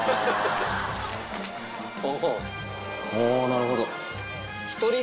あなるほど。